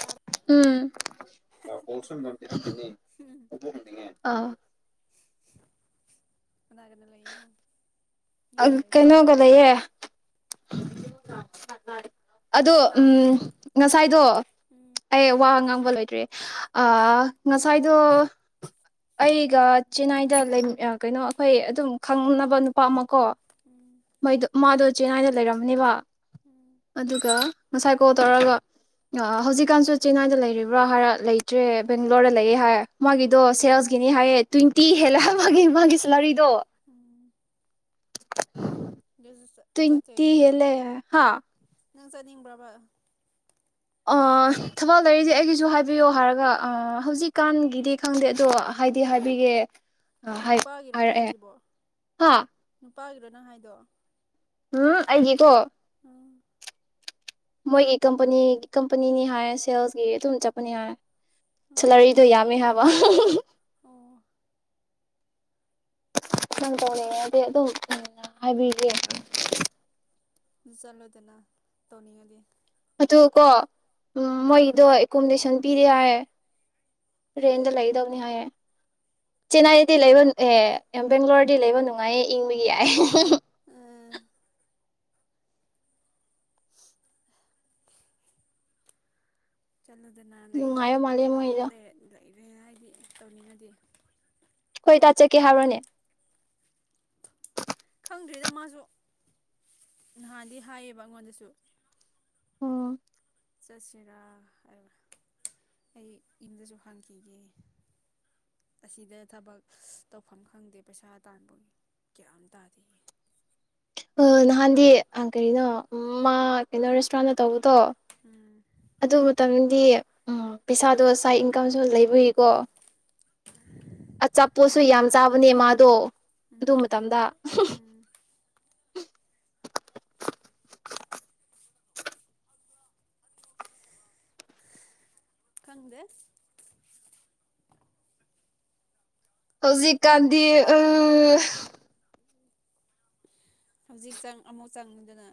ꯇꯥꯕ ꯎꯝ ꯑ ꯎꯝ ꯃꯅꯥꯒꯅ ꯂꯩꯅꯣ ꯑ ꯀꯩꯅꯩꯅꯣꯒꯗꯌꯦꯦ ꯔ ꯑꯗꯣ ꯀꯅꯥ ꯎꯝ ꯉꯁꯥꯏꯗꯣ ꯎꯝ ꯑꯩ ꯋꯥ ꯉꯥꯡꯕ ꯂꯣꯏ ꯅꯠꯇ꯭ꯔꯔꯤ ꯉꯁꯥꯏꯗꯣ ꯑꯩꯒ ꯆꯦꯟꯅꯥꯏꯗ ꯀꯩꯅꯣ ꯑꯩꯈꯣꯏ ꯑꯗꯨꯝ ꯈꯪꯅꯕ ꯅꯨꯄꯥꯃꯛ ꯀꯣ ꯎꯝ ꯃꯣꯏꯗ ꯃꯥꯗꯣ ꯆꯦꯟꯅꯥꯏꯗ ꯂꯩꯔꯝꯅꯦꯕ ꯎꯝ ꯑꯗꯨꯒ ꯉꯁꯥꯏ ꯀꯣꯜ ꯇꯧꯔꯒ ꯍꯧꯖꯤꯛꯀꯥꯟꯁꯨ ꯆꯦꯟꯅꯥꯏꯗ ꯂꯩꯔꯤꯕ꯭ꯔꯥ ꯍꯥꯏꯔ ꯂꯩꯇ꯭ꯔꯦ ꯕꯦꯡꯒ꯭ꯂꯣꯔꯗ ꯂꯩꯌꯦꯦ ꯍꯥꯏꯔ ꯃꯥꯒꯤꯗꯣ ꯎꯝ ꯁꯦꯜꯁꯀꯤꯅꯤ ꯍꯥꯏꯌꯦ ꯇ꯭ꯋꯦꯟꯇꯤ ꯍꯦꯜꯂꯦ ꯃꯥꯒꯤ ꯃꯥꯒꯤ ꯁꯦꯂꯔꯤꯗꯣ ꯎꯝ [unintelligible] ꯇꯨꯇꯤ ꯍꯦꯂ ꯍꯥ ꯅꯪ ꯆꯠꯅꯤꯡꯕ꯭ꯔꯕ ꯊꯕꯥꯜ ꯂꯩꯔꯗꯤ ꯑꯩꯒꯤꯁꯨ ꯍꯥꯏꯕꯤꯌꯣ ꯍꯥꯏꯔꯒ ꯍꯧꯖꯤꯛꯀꯥꯟꯒꯤꯗꯤ ꯈꯪꯗꯦ ꯑꯗꯣ ꯍꯥꯏꯗꯤ ꯍꯥꯏꯕꯤꯒꯦ ꯑꯣ ꯍꯥꯏ ꯅꯨꯄꯥꯒꯤꯔꯣ ꯍꯥꯏꯔꯛꯑꯦ ꯍꯥꯏꯁꯤꯕꯣ ꯍꯥ ꯄꯥꯏ꯭ꯔꯣꯅꯪ ꯍꯥꯏꯗꯣ ꯎꯝ ꯑꯩꯒꯤ ꯀꯣ ꯎꯝ ꯃꯣꯏꯒꯤ ꯀꯝꯄꯅꯤ ꯀꯝꯄꯅꯤꯅꯤ ꯍꯥꯏ ꯁꯦꯜꯁꯀꯤ ꯑꯗꯨꯝ ꯆꯠꯄꯅꯤ ꯍꯥꯏ ꯎꯝ ꯁꯦꯂꯔꯤꯗꯣ ꯌꯥꯝꯃꯦ ꯍꯥꯏꯕ ꯑꯣ ꯍꯥꯏꯕꯤ [unintelligible] ꯆꯂꯣꯗꯅ ꯇꯧꯅꯤꯒꯗꯤ ꯑꯗꯨ ꯀꯣ ꯎꯝ ꯃꯣꯏꯗ ꯀꯨꯨꯝꯗꯦ ꯁꯪ ꯄꯤꯔꯦ ꯍꯥꯏ ꯄꯤꯗꯦ ꯔꯦꯟꯗ ꯂꯩꯗꯅꯤ ꯍꯥꯏꯌꯦ ꯆꯦꯟꯅꯥꯏꯗꯤ ꯂꯩꯕ ꯑꯦ ꯕꯦꯡꯒ꯭ꯂꯣꯔꯗꯤ ꯂꯩꯕ ꯅꯨꯡꯉꯥꯏꯌꯦ ꯏꯪꯕꯒꯤ ꯌꯥꯏ [unintelligible] ꯆꯠꯂꯨꯗꯅ ꯂꯩ ꯅꯨꯡꯉꯥꯏꯕ ꯃꯥꯜꯂꯦ ꯃꯣꯏꯗꯣ ꯂꯩꯔꯦ ꯍꯥꯏꯗꯤ ꯇꯧꯅꯤꯡꯉꯗꯤ ꯍꯣꯏ ꯇꯥꯆꯠꯀꯦ ꯍꯥꯏꯔꯣꯅꯦ ꯈꯪꯗ꯭ꯔꯤꯗ ꯃꯥꯁꯨ ꯅꯍꯥꯟꯗꯤ ꯍꯥꯏꯌꯦꯕ ꯑꯩꯉꯣꯟꯗꯁꯨ ꯑꯣꯝ ꯆꯠꯁꯤꯔꯥ ꯑꯩ ꯌꯨꯝꯗꯁꯨ ꯍꯪꯈꯤꯒꯦ ꯑꯁꯤꯗ ꯊꯕꯛ ꯇꯧꯐꯝ ꯈꯪꯗꯦ ꯄꯩꯁꯥ ꯇꯥꯟꯕ ꯀꯌꯥ ꯇꯥꯗꯦ ꯅꯍꯥꯟꯗꯤ ꯀꯅꯣ ꯃꯥ ꯀꯩꯅꯣ ꯔꯦꯁꯇꯨꯔꯦꯟꯗ ꯇꯧꯕ ꯇꯣ ꯎꯝ ꯑꯗꯨ ꯃꯇꯝꯗꯤ ꯎꯝ ꯄꯩꯁꯥꯗꯣ ꯁꯥꯏ ꯏꯟꯀꯝꯁꯨ ꯂꯩꯕꯏꯀꯣ ꯑꯆꯥꯄꯣꯠꯁꯨ ꯎꯝ ꯌꯥꯝ ꯆꯥꯕꯅꯦ ꯃꯥꯗꯣ ꯑꯗꯨ ꯎꯝ ꯃꯇꯝꯗ ꯎꯝ ꯈꯪꯗꯦ ꯍꯧꯖꯤꯛꯀꯥꯟꯗꯤ [unintelligible] ꯍꯧꯖꯤꯛ ꯆꯥꯡ ꯑꯃꯨꯛ ꯆꯪꯗꯅ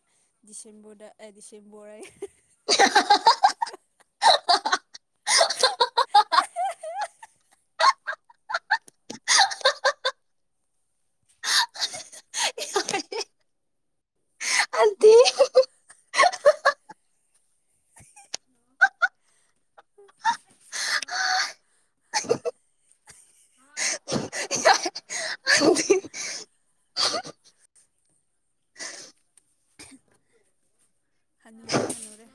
ꯗꯤꯁꯦꯝꯕꯔꯗ ꯑꯦ ꯗꯤꯁꯦꯝꯕꯣꯔ [unintelligible] ꯑꯗꯨꯗꯤ ꯑꯟꯇꯤ ꯍꯅꯨꯔꯦ ꯍꯅꯨꯔꯦ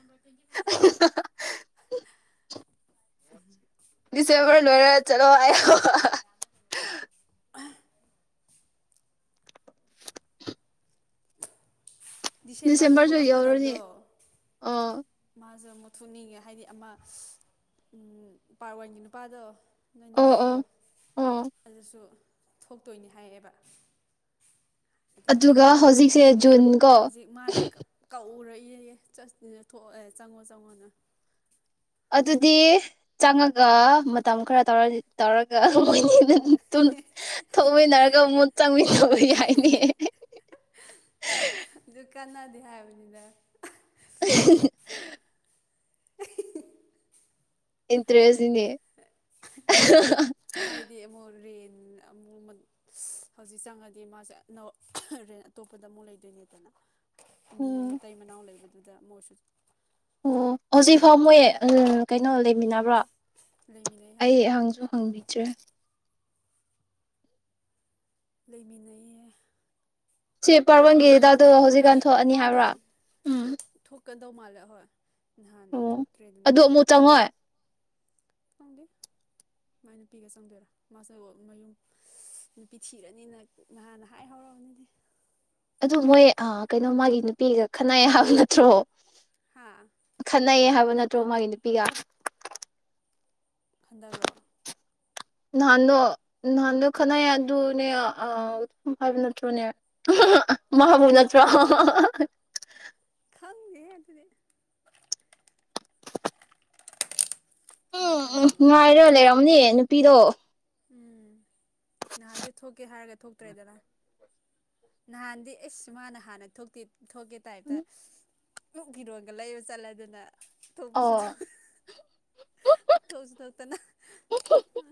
ꯗꯤꯁꯦꯝꯕꯔ ꯂꯣꯏꯔꯒ ꯆꯠꯂꯣ ꯍꯥꯏꯌꯣ ꯗꯤꯁꯦꯝꯕꯔꯗ ꯗꯤꯁꯦꯝꯕꯔꯁꯨ ꯌꯧꯔꯅꯤ ꯊꯣꯛꯂꯛꯀꯗꯕꯗꯣ ꯑꯥ ꯃꯥꯁꯦ ꯊꯨꯅꯤꯡꯉꯦ ꯍꯥꯏꯗꯤ ꯑꯃ ꯄꯥꯔ ꯋꯥꯟꯒꯤ ꯅꯨꯄꯥꯗꯣ ꯑꯣ ꯑꯣ ꯅꯣꯏꯅꯌꯥꯝꯕꯗꯣ ꯑꯣ ꯑꯗꯨꯁꯨ ꯊꯣꯛꯇꯣꯏꯅꯤ ꯍꯥꯏꯌꯦꯦꯕ ꯑꯗꯨꯒ ꯍꯧꯖꯤꯛꯁꯦ ꯖꯨꯟ ꯀꯣ ꯍꯧꯖꯤꯛ ꯃꯥꯅ ꯀꯛꯎꯔꯣꯏ ꯏ ꯑꯦ ꯆꯠꯅ ꯊꯣꯛꯑꯦ ꯆꯪꯉꯣ ꯆꯪꯉꯣꯅ ꯑꯗꯨꯗꯤ ꯆꯪꯉꯒ ꯃꯇꯝ ꯈꯔ ꯇꯧꯔꯒ ꯃꯣꯏꯅꯤ ꯊꯣꯛꯃꯤꯟꯅꯔꯒ ꯑꯃꯨꯛ ꯆꯪꯃꯤꯟꯅꯕ ꯌꯥꯏꯅꯦ ꯑꯗꯨ ꯀꯟꯅꯗꯤ ꯍꯥꯏꯕꯅꯤꯗ [inaudible] ꯏꯟꯇ꯭ꯔꯦꯁꯤꯅꯦ ꯍꯥꯏꯗꯤ ꯑꯃꯛ ꯔꯦꯟ ꯍꯧꯖꯤꯛ ꯆꯪꯉꯗꯤ ꯃꯥꯁꯦꯦꯟ ꯑꯇꯣꯞꯄꯗ ꯑꯃꯨꯛ ꯂꯩꯗꯣꯏꯅꯦꯗꯅ ꯃꯤ ꯎꯝ ꯃꯇꯩ ꯃꯅꯥꯎ ꯂꯩꯕꯗ ꯑꯗꯨꯗ ꯃꯣꯁ ꯑꯣ ꯍꯧꯖꯤꯛꯐꯥꯎ ꯃꯣꯏ ꯎ ꯀꯩꯅꯣ ꯂꯩꯃꯤꯟꯅꯕ꯭ꯔꯣ ꯂꯩꯃꯤꯟꯅꯩ ꯍꯥꯏ ꯑꯩ ꯑꯩꯍꯥꯡꯁꯨ ꯍꯪꯕꯤꯗ꯭ꯔꯦ ꯂꯩꯃꯤꯟꯅꯩꯌꯦ ꯁꯤ ꯄꯥꯔꯕꯣꯟꯒꯤ ꯔꯦꯟ ꯍꯤꯗꯥꯛꯇꯒ ꯍꯥꯏꯗꯤ ꯍꯧꯖꯤꯛꯀꯥꯟ ꯊꯣꯛꯑꯅꯤ ꯍꯥꯏꯕ꯭ꯔꯥ ꯎꯝ ꯀꯗꯧ ꯃꯥꯜꯂꯦ ꯍꯣꯏ ꯅꯍꯥꯟ ꯑꯣ ꯊꯣꯛꯇ꯭ꯔꯦꯗꯅ ꯑꯗꯨ ꯑꯃꯨꯛ ꯆꯪꯉꯣꯏ ꯆꯪꯗꯦ ꯃꯥꯏ ꯅꯨꯄꯤꯒ ꯆꯪꯗꯣꯏꯔꯥ ꯃꯥꯁꯦ ꯃꯌꯨꯝ ꯅꯨꯄꯤ ꯊꯤꯔꯅꯤꯅ ꯅꯍꯥꯟꯅ ꯍꯥꯏ ꯍꯧꯔꯔꯕꯅꯤꯗꯤ ꯑꯗꯨ ꯃꯣꯏ ꯀꯩꯅꯣ ꯃꯥꯒꯤ ꯅꯨꯄꯤꯒ ꯈꯟꯅꯥꯏ ꯍꯥꯏꯕ ꯅꯠꯇ꯭ꯔꯣ ꯍꯥ ꯈꯅ ꯍꯥꯏꯕ ꯅꯠꯇ꯭ꯔꯣ ꯃꯥꯒꯤ ꯅꯨꯄꯤꯒ ꯈꯟꯗꯧꯔꯛꯑꯣ ꯅꯍꯥꯟꯗꯣ ꯅꯍꯥꯟꯗꯣ ꯈꯠꯅꯩ ꯑꯗꯨꯅꯦ ꯍꯥꯏꯕ ꯅꯠꯇ꯭ꯔꯣꯅꯦ ꯃꯥꯕꯨ ꯅꯠꯇ꯭ꯔꯣ ꯍꯪꯦ ꯍꯥꯏꯗꯗꯤ ꯃꯥꯏ ꯎꯝ ꯎꯝ ꯈꯟꯅꯩꯕ ꯉꯉꯥꯏꯔ ꯂꯩꯔꯝꯅꯤ ꯄꯤꯔꯛꯑꯣ ꯎꯝ ꯅꯍꯥꯟꯁꯨ ꯊꯣꯛꯀꯦ ꯍꯥꯏꯔꯒ ꯊꯣꯛꯇ꯭ꯔꯦꯗꯅ ꯅꯍꯥꯟꯗꯤ ꯑꯩꯁ ꯃꯥꯅ ꯍꯥꯟꯅ ꯊꯣꯛꯇꯦ ꯊꯒꯦ ꯇꯥꯏꯇ ꯀꯛ ꯐꯤꯔꯣꯟꯒ ꯂꯩꯕ ꯆꯠꯂꯦ ꯑꯗꯨꯅ ꯇꯁꯨ ꯑꯣ ꯇꯑꯁꯨ ꯊꯣꯛꯇꯅ ꯑ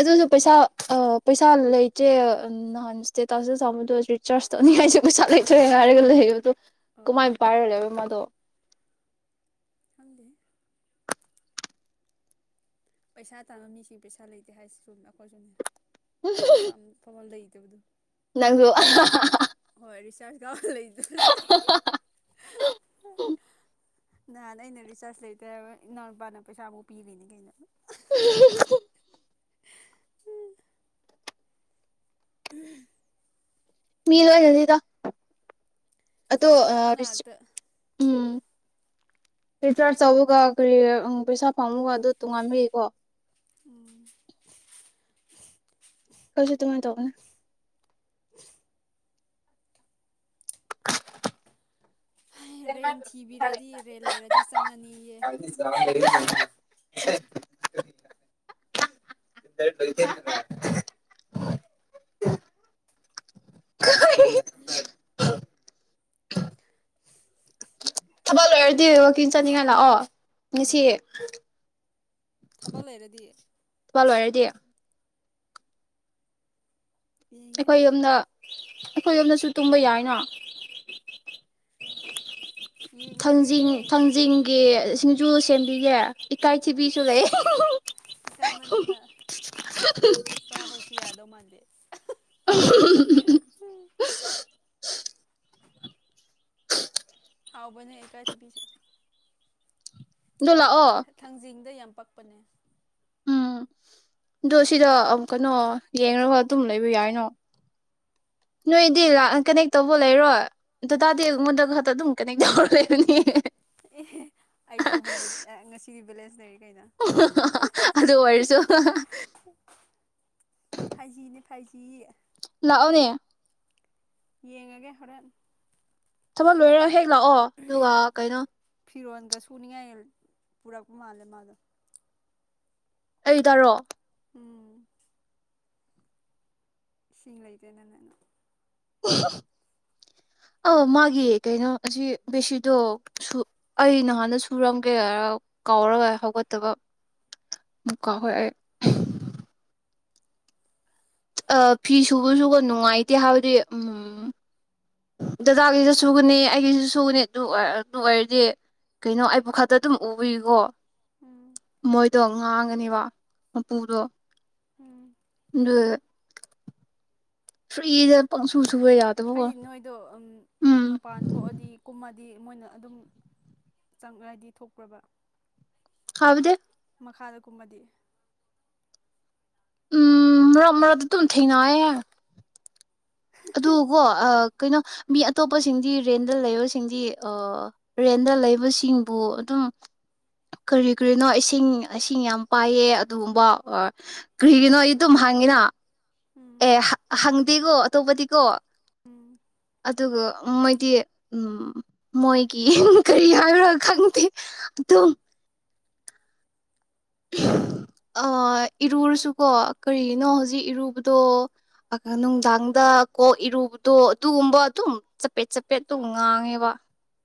ꯑꯗꯨꯁꯨ ꯄꯩꯁꯥ ꯄꯩꯁꯥ ꯂꯩꯇ꯭ꯔꯦ ꯅꯍꯥꯟ ꯁꯇꯦ ꯇꯁꯨ ꯇꯥꯕꯗꯣ ꯔꯤꯆꯥꯔꯖ ꯇꯧꯅꯤꯡꯉꯥꯏꯁꯨ ꯄꯩꯁꯥ ꯂꯩꯇ꯭ꯔꯦ ꯍꯥꯏꯔꯒ ꯂꯩ ꯑꯗꯣ ꯍꯣꯏ ꯀꯃꯥꯏꯅ ꯄꯥꯏꯔ ꯂꯩꯦꯕ ꯃꯥꯗꯣ ꯑꯗꯗꯤ ꯄꯩꯁꯥ ꯇꯥꯥꯟꯕ ꯃꯤꯁꯤꯡ ꯄꯩꯁꯥ ꯂꯩꯇꯦ ꯍꯥꯏꯁꯤꯁꯨ ꯑꯩꯈꯣꯏꯁꯨꯅꯤ ꯀ ꯀꯃꯜꯗ ꯑꯕꯗꯨꯣ ꯅꯪꯁꯨ ꯍꯣꯏꯔꯤꯁꯔ ꯀ ꯂꯩꯗ ꯎꯝ ꯅꯍꯥꯟ ꯑꯩꯅ ꯔꯤꯆꯥꯔꯖ ꯂꯩꯇ ꯏꯎꯄꯥꯅ ꯄꯩꯁꯥꯕꯨꯥꯎ ꯄꯤꯔꯤꯅꯦ ꯀꯩꯅꯣ [unintelligible] ꯎꯝ ꯃꯤ ꯂ ꯍꯥꯏ ꯆꯁꯤꯗ ꯆꯠꯐꯝ ꯑꯗꯣꯁ ꯉꯥꯛꯇ ꯎꯝ ꯄꯆ ꯆꯧꯒ ꯀꯔꯤ ꯄꯩꯁꯥ ꯐꯪꯝꯉꯨꯕ ꯑꯗꯨ ꯇꯣ ꯉꯥꯡꯃꯤꯔꯤꯀꯣ ꯎꯝ ꯈꯜꯁꯨ ꯇ ꯃ ꯇꯅ [unintelligible] ꯔꯦꯟ ꯊꯤꯕꯤꯔꯗꯤ ꯔꯦꯟ ꯂꯩꯔꯗꯤ ꯆꯪꯉꯅꯤꯌꯦ [unintelligible] [unintelligible] ꯂꯩꯣꯏꯔꯗꯤ ꯋꯥꯛꯀꯤꯡ ꯆꯠꯅꯤꯡꯉꯥꯏ ꯂꯥꯛꯑꯣ ꯉꯁꯤ ꯊꯕ ꯂꯩꯔꯗꯤ ꯊꯄꯥ ꯂꯣꯏꯔꯗꯤꯦ ꯌꯦꯡꯉꯦ ꯑꯩꯈꯣꯏ ꯌꯨꯝꯗ ꯑꯩꯈꯣꯏ ꯂꯣꯝꯗꯁꯨ ꯇꯨꯝꯕ ꯌꯥꯏꯅ ꯌꯦꯡꯉꯒꯦ ꯊꯥꯡꯖꯤꯡ ꯊꯥꯡꯖꯤꯡꯒꯤꯁꯤꯡ ꯖꯨꯁ ꯁꯦꯝꯦꯟꯕꯤꯒꯦ ꯏꯁ ꯀꯥꯏꯃꯟꯗꯅ ꯆꯥꯕꯁꯨ ꯌꯥꯗꯧ ꯃꯥꯟꯗꯦ [unintelligible] ꯍꯥꯎꯕꯅꯦ ꯑꯦꯥ ꯄꯤꯖ ꯗꯂ ꯑꯣ ꯊꯥꯡꯖꯤꯡꯗ ꯌꯥꯝ ꯄꯛꯄꯅꯦ ꯎꯝ ꯑꯗꯣ ꯁꯤꯗ ꯑꯃꯨꯛ ꯀꯩꯅꯣ ꯌꯦꯡꯒ ꯑꯗꯨꯝ ꯂꯩꯕ ꯌꯥꯏꯅꯣ ꯅꯣꯏ ꯏ ꯈꯪꯗꯦ ꯏꯂ ꯀꯩꯅꯦꯛ ꯇꯧꯕꯣ ꯂꯩꯔꯣꯏ ꯑꯗꯨꯇꯥꯥꯗꯤ ꯑꯩꯉꯣꯟꯗ ꯈꯛꯇ ꯑꯗꯨꯝ ꯀꯅꯦꯛ ꯇꯧꯔ ꯂꯩꯔꯅꯤ ꯑꯦ ꯑꯩꯁꯨ ꯍꯟꯗꯛ ꯉꯁꯤꯗꯤ ꯕꯦꯂꯦ [unintelligible] ꯑꯗꯨ ꯑꯗꯨ ꯑꯣꯏꯔꯁꯨ ꯑꯩ ꯍꯥꯏꯒꯤ ꯇꯑꯣꯅꯦ ꯌꯦꯉꯒꯦ ꯍꯣꯔꯦꯟ ꯊꯕꯛ ꯂꯣꯏꯔꯒ ꯍꯦꯛ ꯂꯥꯛꯑꯣ ꯑꯗꯨꯒ ꯀꯩꯅꯣ ꯐꯤꯔꯣꯜꯒ ꯁꯨꯨꯅꯤꯡꯉꯥꯏ ꯄꯨꯔꯛꯄ ꯃꯥꯟꯂꯦ ꯃꯥꯗꯣ ꯑꯩ ꯗꯥꯔꯣ ꯎꯝ ꯏꯁꯤꯡ ꯂꯩꯇꯗꯅ ꯑꯥ ꯃꯥꯒꯤ ꯀꯩꯅꯣ ꯑꯁꯤ ꯕꯦꯁꯤꯗꯣ ꯑꯩ ꯅꯍꯥꯟꯗ ꯁꯨꯔꯝꯒꯦ ꯀꯥꯎꯔꯒ ꯍꯧꯒꯠꯇꯕ ꯑꯃꯨꯛ ꯀꯥꯎꯋꯦ ꯑꯩ ꯐꯤ ꯁꯨꯕꯁꯨ ꯅꯨꯡꯉꯥꯏꯇꯦ ꯍꯥꯏꯕꯗꯤ ꯎꯝ ꯗꯗꯥꯒꯤꯁꯨ ꯁꯨꯒꯅꯤ ꯑꯩꯒꯤꯁꯨ ꯁꯨꯒꯅꯤ ꯑꯗꯨ ꯑꯗꯨ ꯑꯣꯏꯔꯗꯤ ꯀꯩꯅꯣ ꯑꯩ ꯄ ꯈꯛꯇ ꯑꯗꯨꯝ ꯎꯕꯤꯀꯣ ꯎꯝ ꯃꯣꯏ ꯗꯣ ꯉꯥꯡꯛꯅꯤꯕꯥ ꯃꯄꯨꯗꯣ ꯎꯝ ꯐ꯭ꯔꯤꯗ ꯄꯪꯁꯨ ꯁꯨꯕ ꯌꯥꯗꯕꯀꯣ ꯍꯥꯏꯗꯤ ꯅꯣꯏꯗꯣ ꯎꯝ ꯎꯝ ꯃꯄꯥꯟ ꯊꯣꯛꯑꯗꯤ ꯀꯨꯝꯃꯗꯤ ꯗꯤ ꯃꯣꯏꯅ ꯑꯗꯨꯝ ꯆꯪꯉꯥꯏꯗꯤ ꯊꯣꯛꯄ꯭ꯔꯕ ꯍꯥꯏꯕꯗꯤ ꯃꯈꯥꯗ ꯀꯨꯝꯕꯗꯤ ꯎꯝ ꯃꯔꯛ ꯃꯔꯛꯇ ꯗꯨꯝ ꯊꯦꯡꯅꯌꯦ ꯑꯗꯨ ꯀꯣ ꯀꯩꯅꯣ ꯃꯤ ꯑꯇꯣꯞꯄꯁꯤꯡꯗꯤ ꯔꯦꯟꯗ ꯂꯩꯕꯁꯤꯡꯗꯤ ꯔꯦꯟꯗ ꯂꯩꯕꯁꯤꯡꯕꯨ ꯑꯗꯨꯝ ꯀꯔꯤ ꯀꯔꯤꯅꯣ ꯏꯁꯤꯡ ꯏꯁꯤꯡ ꯌꯥꯝ ꯄꯥꯏꯌꯦ ꯑꯗꯨꯒꯨꯝꯕ ꯀꯔꯤꯒꯤꯔꯤꯅꯣ ꯑꯩ ꯑꯗꯨꯝ ꯍꯥꯡꯉꯤꯅ ꯎꯝ ꯑꯦ ꯍꯪꯗꯦꯒꯣ ꯇꯣꯄꯗꯤꯀꯣ ꯎꯝ ꯑꯗꯨꯒ ꯃꯣꯏꯗꯤ ꯎꯝ ꯃꯣꯏꯒꯤ ꯀꯔꯤ ꯍꯥꯏꯕ꯭ꯔꯥ ꯈꯪꯗꯦ ꯑꯗꯨꯝ ꯑ ꯏꯔꯨꯁꯨꯀꯣ ꯀꯔꯤꯅꯣ ꯎꯝ ꯍꯧꯖꯤꯛ ꯏꯔꯨꯕ ꯑꯗꯣ ꯅꯨꯡꯗꯥꯡꯗ ꯀꯣꯛ ꯏꯔꯨꯕꯗꯣ ꯑꯗꯨꯒꯨꯝꯕ ꯑꯗꯨꯝ ꯆꯄꯦꯠ ꯆꯄꯦꯠ ꯑꯗꯨꯝ ꯉꯥꯡꯉꯦꯕ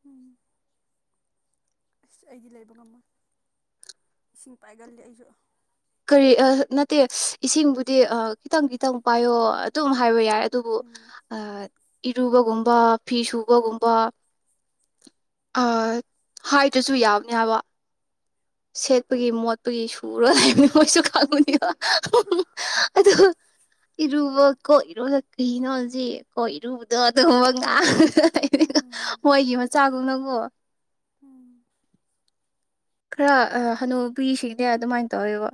ꯎꯝ ꯑꯁ ꯑꯩꯗꯤ ꯂꯩꯕ ꯉꯝꯃꯣꯏ ꯏꯁꯤꯡ ꯄꯥꯏꯒꯜꯂꯤ ꯑꯩꯁꯨ ꯀꯔꯤ ꯅꯠꯇꯦ ꯏꯁꯤꯡꯕꯨꯗꯤ ꯈꯤꯇꯪ ꯈꯤꯇꯪ ꯄꯥꯏꯌꯣ ꯑꯗꯨꯝ ꯍꯥꯏꯕ ꯌꯥꯏ ꯑꯗꯨ ꯑꯗꯨꯕꯨ ꯎꯝ ꯑ ꯏꯔꯨꯕꯒꯨꯝꯕ ꯐꯤ ꯁꯨꯕꯒꯨꯝꯕ ꯑ ꯍꯥꯏꯗ꯭ꯔꯁꯨ ꯌꯥꯕꯅꯦ ꯍꯥꯏꯕ ꯁꯦꯠꯄꯒꯤ ꯃꯣꯠꯄꯒꯤ ꯁꯨꯔꯣꯏ ꯃꯣꯏꯁꯨ ꯈꯥꯡꯉꯨꯅꯤꯀꯣ ꯑꯗꯨ ꯏꯔꯨꯕ ꯀꯣꯛ ꯏꯔꯨꯂ ꯀꯅꯣꯁ ꯀꯣꯏ ꯏꯔꯨꯕꯗꯣ ꯑꯗꯨꯒꯕ ꯉꯥ ꯎꯝ ꯃꯣꯏꯒꯤ ꯃꯆꯥꯗꯨꯅꯪꯀꯣ ꯎꯝ ꯈꯔ ꯍꯅꯨ ꯄꯤꯁꯤꯅꯦ ꯑꯗꯨꯃꯥꯏꯅ ꯇꯧꯋꯦꯕ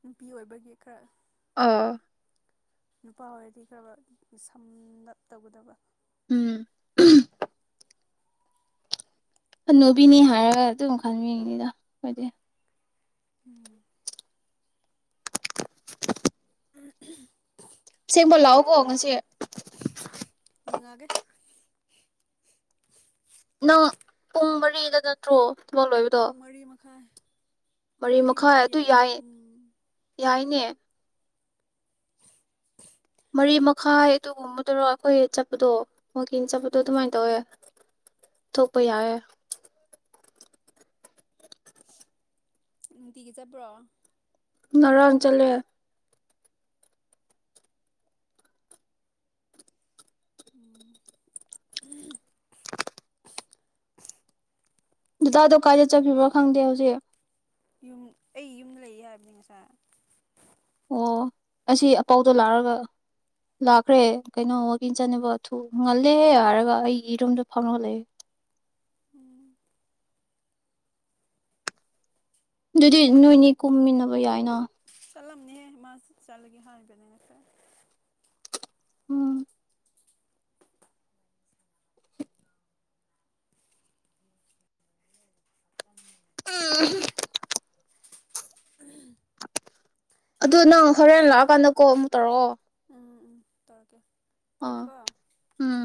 ꯅꯨꯄꯤ ꯑꯣꯏꯕꯒꯤ ꯈꯔ ꯑꯥ ꯅꯨꯄꯥ ꯑꯣꯏꯔꯗꯤ ꯈꯔ ꯁꯝꯅꯞ ꯇꯧꯒꯗꯕ ꯎꯝ ꯍꯅꯨꯕꯤꯅꯤ ꯍꯥꯏꯔꯒ ꯑꯗꯨꯝ ꯈꯟꯕꯤꯉꯅꯤꯗꯣꯏꯗꯤ ꯎꯝ [unintelligible] ꯑꯁꯦꯡꯕ ꯂꯥꯛꯑꯣꯀꯣ ꯉꯁꯤ ꯌꯦꯡꯉꯛꯑꯒꯦ ꯅꯪ ꯄꯨꯡ ꯃꯔꯤꯗ ꯅꯠꯇ꯭ꯔꯣ ꯊꯕꯛ ꯂꯣꯏꯕꯗꯣ ꯄꯨꯡ ꯃꯔꯤ ꯃꯈꯥꯏ ꯃꯔꯤ ꯃꯈꯥꯏ ꯑꯗꯨ ꯌꯥꯏ ꯌꯥꯏꯅꯦ ꯃꯔꯤ ꯃꯈꯥ ꯑꯩꯗꯔꯣ ꯍꯣꯏ ꯆꯠꯄꯗꯣ ꯋꯥꯀꯤ ꯆꯠꯄꯗꯣ ꯑꯗꯨꯃꯥꯏꯅ ꯇꯧꯋꯦ ꯊꯣꯛꯄ ꯌꯥꯋꯦ ꯅꯨꯡꯇꯤꯒ ꯆꯠꯕ꯭ꯔꯣ ꯃꯔꯔꯝ ꯆꯜꯦ [inaudible] ꯇꯥꯗꯣ ꯀꯥꯏꯗ ꯆꯠꯈꯤꯕ꯭ꯔꯣ ꯈꯪꯗꯦ ꯍꯧꯖꯤꯛ ꯌꯨꯝ ꯑꯩ ꯌꯨꯝꯗ ꯂꯩꯌꯦ ꯍꯥꯏꯕꯅꯤ ꯉꯁꯥꯏ ꯑꯣ ꯑꯁꯤ ꯑꯄꯥꯎꯗ ꯂꯥꯛꯑꯒ ꯂꯥꯛꯈ꯭ꯔꯦ ꯀꯩꯅꯣ ꯋꯥꯋꯀꯤꯡ ꯆꯅꯕ ꯊꯨ ꯉꯜꯂꯦ ꯍꯥꯏꯔꯒ ꯑꯩꯒꯤꯔꯨꯝꯗꯣ ꯐꯥꯎꯅꯍꯂꯛꯑꯦ ꯎꯝ ꯑꯗꯨꯗꯤ ꯅꯣꯏꯅꯤ ꯀꯨꯝꯃꯤꯟꯅꯕ ꯌꯥꯏꯅ ꯆꯠꯂꯝꯅꯦꯍꯦ ꯃꯥ ꯆꯠꯂꯒꯦ ꯍꯥꯏꯕꯅꯦꯅꯔ ꯎꯝ ꯎꯝ ꯎꯝ ꯎꯝ ꯑꯗꯨ ꯅꯪ ꯍꯣꯔꯦꯟ ꯂꯥꯛꯑꯀꯥꯟꯗ ꯀꯣ ꯑꯃꯨꯛ ꯇꯧꯔꯛꯑꯣ ꯎꯝ ꯎꯝ ꯇꯔꯒꯦ ꯑꯥ ꯇꯃꯦꯀꯣ ꯎꯝ